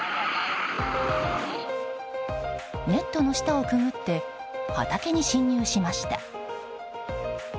ネットの下をくぐって畑に侵入しました。